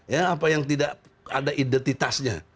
ya apa yang tidak ada identitasnya